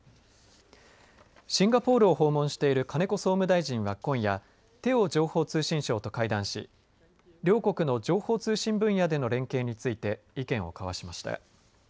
シンガポールを訪問している金子総務大臣は今夜、テオ情報通信相と会談し両国の情報通信分野での連携について意見を交わしました。